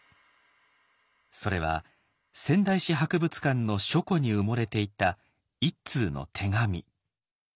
それは仙台市博物館の書庫に埋もれていた１通の手紙。